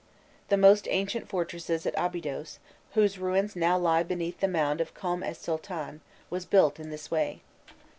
The most ancient fortress at Abydos, whose ruins now lie beneath the mound of Kom es Sultân, was built in this way.